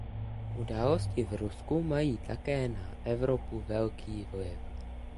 Události v Rusku mají také na Evropu velký vliv.